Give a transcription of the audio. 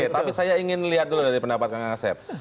tapi saya ingin lihat dulu dari pendapat kang asep